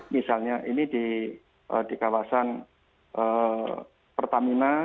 misalnya ini di kawasan pertamina